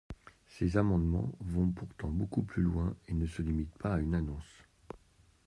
Ces amendements vont pourtant beaucoup plus loin, et ne se limitent pas à une annonce.